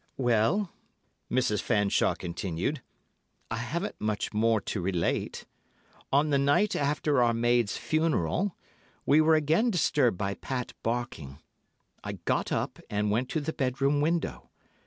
"Well," Mrs. Fanshawe continued, "I haven't much more to relate. On the night after our maid's funeral, we were again disturbed by Pat barking. I got up and went to the bedroom window.